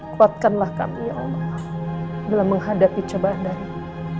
kuatkanlah kami ya allah dalam menghadapi cobaan darimu